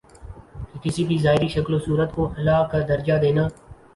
کہ کسی بھی ظاہری شکل و صورت کو الہٰ کا درجہ دینا